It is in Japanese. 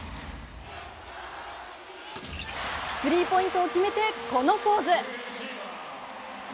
スリーポイントを決めてこのポーズ。